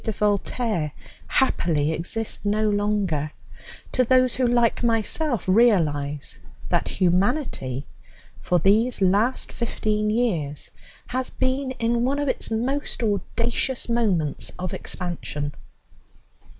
de Voltaire happily exist no longer, to those who, like myself, realize that humanity, for these last fifteen years, has been in one of its most audacious moments of expansion.